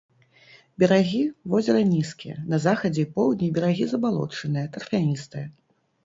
Берагі возера нізкія, на захадзе і поўдні берагі забалочаныя, тарфяністыя.